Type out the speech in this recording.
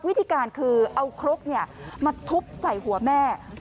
วิธีการคือเอาครกมาทุบใส่หัวแม่